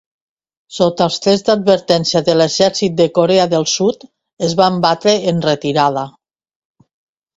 Sota els trets d'advertència de l'exèrcit de Corea del Sud, es van batre en retirada.